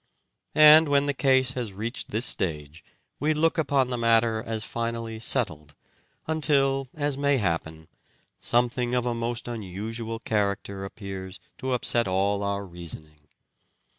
And when the case has reached this stage we look upon the matter as finally settled, until, as may happen, something of a most unusual character appears to upset all our reasoning.